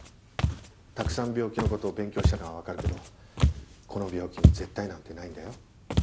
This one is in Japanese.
たくさん病気のことを勉強したのは分かるけどこの病気に絶対なんてないんだよ。